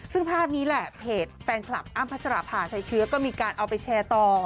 ซึ่งภาพนี้แหละเพจแฟนคลับอ้ำพัชราภาชัยเชื้อก็มีการเอาไปแชร์ต่อ